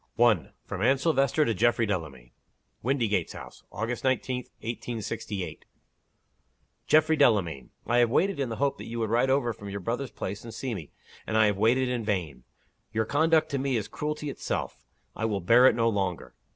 1. From Anne Silvester to Geoffrey Delamayn. WINDYGATES HOUSE. August 19, 1868. "GEOFFREY DELAMAYN, I have waited in the hope that you would ride over from your brother's place, and see me and I have waited in vain. Your conduct to me is cruelty itself; I will bear it no longer.